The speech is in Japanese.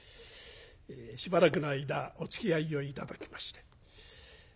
しばらくの間おつきあいを頂きまして。